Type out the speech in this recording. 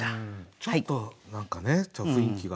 ちょっと何かね雰囲気が。